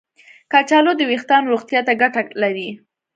کچالو د ویښتانو روغتیا ته ګټه لري.